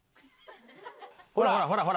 ほらほらほら！